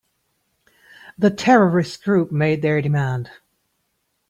The terrorist group made their demand.